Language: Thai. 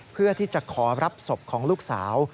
เพื่อที่จะขอรับศพของลูกสาว